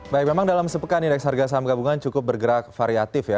baik memang dalam sepekan indeks harga saham gabungan cukup bergerak variatif ya